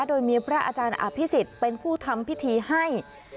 โดยมีพระอาจารย์อภิษฎเป็นผู้ทำพิธีให้